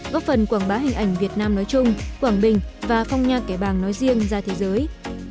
góp phần quảng bá hình ảnh việt nam nói chung quảng bình và phong nha kẻ bàng nói riêng ra thế giới